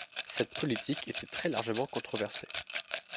Cette politique était très largement controversée.